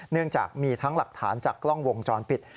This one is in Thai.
เนื่องจากมีทั้งหลักฐานจากกล้องวงจรปิด